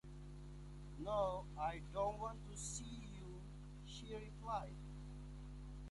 “No; I don’t want to see you,” she replied.